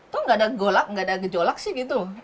tuh nggak ada golak nggak ada gejolak sih gitu